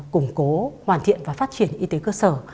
củng cố hoàn thiện và phát triển y tế cơ sở